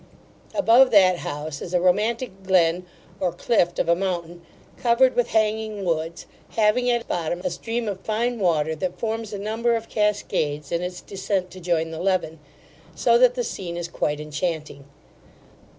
Above that house is a romantic glen or clift of a mountain, covered with hanging woods having at bottom a stream of fine water that forms a number of cascades in its descent to join the Leven; so that the scene is quite enchanting.